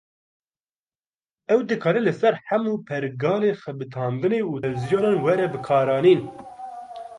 Ew dikare li ser hemû pergalên xebitandinê û televizyonan were bikaranîn.